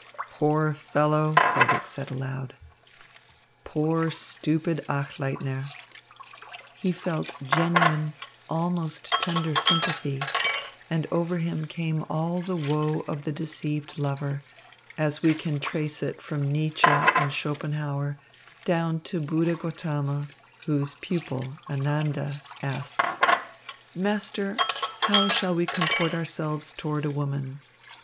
"Poor fellow," Frederick said aloud. "Poor, stupid Achleitner!" He felt genuine, almost tender sympathy; and over him came all the woe of the deceived lover, as we can trace it from Nietzsche and Schopenhauer down to Buddha Gotama, whose pupil, Ananda, asks: "Master, how shall we comport ourselves toward a woman?"